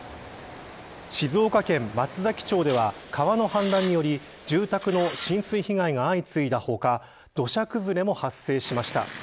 静岡県松崎町では川の氾濫により住宅の浸水被害が相次いだ他土砂崩れも発生しました。